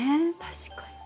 確かに。